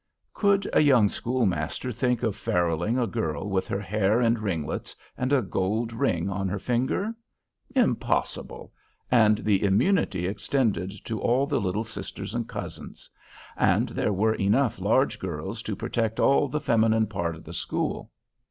Could a young schoolmaster think of feruling a girl with her hair in ringlets and a gold ring on her finger? Impossible—and the immunity extended to all the little sisters and cousins; and there were enough large girls to protect all the feminine part of the school.